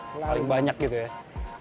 selalu banyak gitu ya